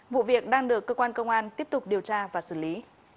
vụ việc đang được cơ quan công an tiếp tục điều tra và xử lý